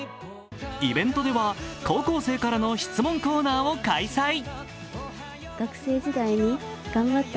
イベントでは高校生からの質問コーナーを開催。